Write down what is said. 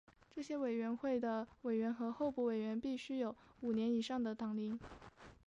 这些委员会的委员和候补委员必须有五年以上的党龄。